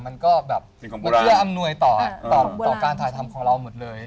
มันก็แบบมันเอื้ออำนวยต่อการถ่ายทำของเราหมดเลย